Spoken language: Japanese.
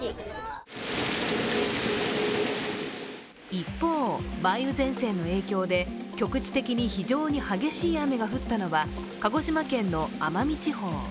一方、梅雨前線の影響で局地的に非常に激しい雨が降ったのは鹿児島県の奄美地方。